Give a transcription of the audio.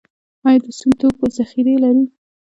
آیا د سون توکو ذخیرې لرو؟